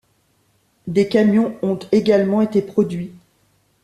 Des camions ont également été produits.